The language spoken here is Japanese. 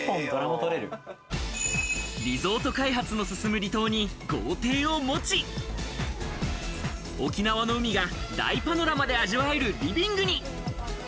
リゾート開発の進む離島に豪邸を持ち、沖縄の海が大パノラマで味わえるリビングに。